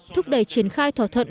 thúc đẩy triển khai thỏa thuận